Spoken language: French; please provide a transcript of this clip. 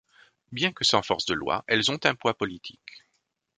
Bien que sans force de loi, elles ont un poids politique.